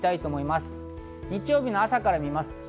日曜日の朝から見ます。